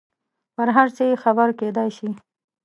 پر هر څه یې خبره کېدای شي.